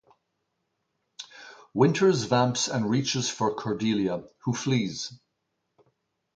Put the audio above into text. Winters vamps and reaches for Cordelia, who flees.